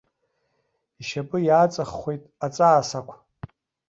Ишьапы иаҵаххуеит аҵаа-сақә.